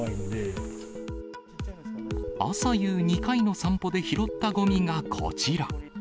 朝夕２回の散歩で拾ったごみがこちら。